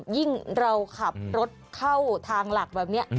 ยิ่งเราขับรถเข้าทางหลักแบบนี้